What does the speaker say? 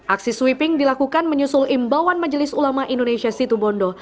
aksi sweeping dilakukan menyusul imbauan majelis ulama indonesia situbondo